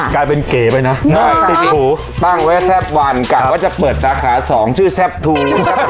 กลายเป็นเกย์ไปนะติดถูกตั้งไว้แซ่บวันกลางว่าจะเปิดตราคาสองชื่อแซ่บทู